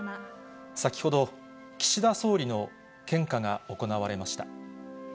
先ほど、岸田総理の献花が行われました。